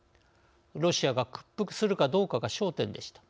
ロシアが屈服するかどうかが焦点でした。